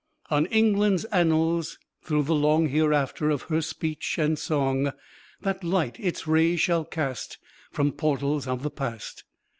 On England's annals, through the long Hereafter of her speech and song, That light its rays shall cast From portals of the past.